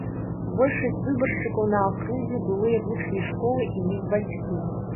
Большасць выбаршчыкаў на акрузе былыя вучні школы і іх бацькі.